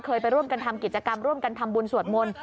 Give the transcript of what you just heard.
ไปร่วมกันทำกิจกรรมร่วมกันทำบุญสวดมนต์